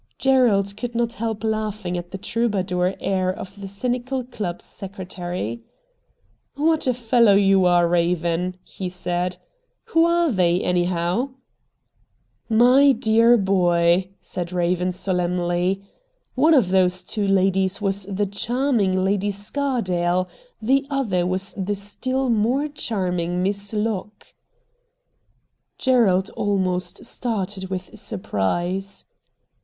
Gerald could not help laughing at the troubadour air of the cynical club secretary. ' What a fellow you are, Eaven,' he said. ' Who are they, anyhow? '' My dear boy,' said Eaven solemnly, ' one of those two ladies was the charming Lady Scardale, the other was the still more charming Miss Locke.' Gerald almost started with surprise.